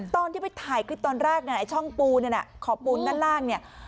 ตอนที่ไปถ่ายคลิปตอนแรกเนี่ยช่องปูเนี่ยนะขอบปูนด้านล่างเนี่ย